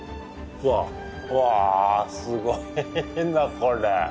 うわぁすごいなこれ！